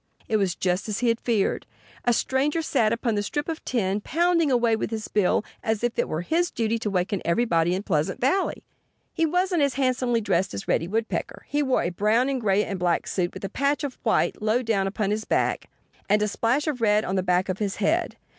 It was just as he had feared. A stranger sat upon the strip of tin pounding away with his bill as if it were his duty to waken everybody in Pleasant Valley. He wasn't as handsomely dressed as Reddy Woodpecker. He wore a brown and gray and black suit, with a patch of white low down upon his back and a splash of red on the back of his head.